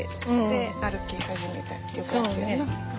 で歩き始めたっていう感じやな。